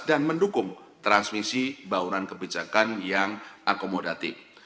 dan mendukung transmisi bauran kebijakan yang akomodatif